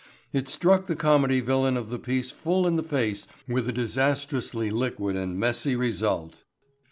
It struck the comedy villain of the piece full in the face with a disastrously liquid and messy result.